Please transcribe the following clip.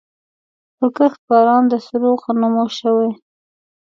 پرکښت باران د سرو غنمو شوی